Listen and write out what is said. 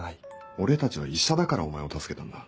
俺たちは医者だからお前を助けたんだ。